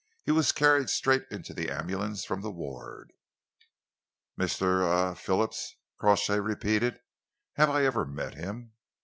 He was carried straight into the ambulance from the ward." "Mr. er Phillips," Crawshay repeated. "Have I ever met him?"